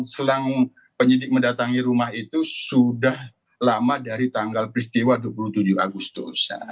selang penyidik mendatangi rumah itu sudah lama dari tanggal peristiwa dua puluh tujuh agustus